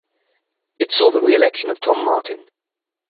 It saw the reelection of Tom Martin.